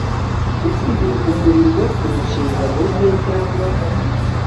ufite umurimo mu nshingano ze cyangwa